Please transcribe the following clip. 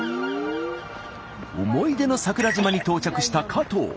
思い出の桜島に到着した加藤。